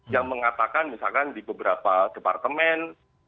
yang mengatakan misalkan di beberapa departemen